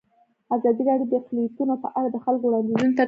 ازادي راډیو د اقلیتونه په اړه د خلکو وړاندیزونه ترتیب کړي.